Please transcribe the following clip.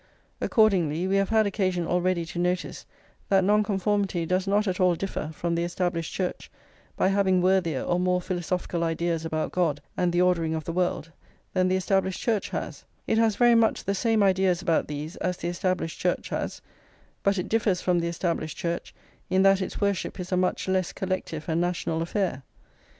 Accordingly, we have had occasion already to notice that Nonconformity does not at all differ from the Established Church by having worthier or more philosophical ideas about God and the ordering of the world than the Established Church has; it has very much the same ideas about these as the Established Church has, but it differs from the Established Church in that its worship is a much less collective and national affair.